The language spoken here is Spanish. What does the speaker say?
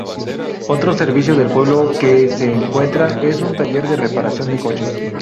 Otro servicio del pueblo que se encuentra es un taller de reparación de coches.